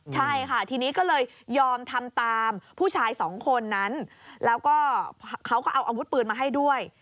ใช่ค่ะทีนี้ก็เลยยอมทำตามผู้ชายสองคนนั้นแล้วก็เขาก็เอาอาวุธปืนมาให้ด้วย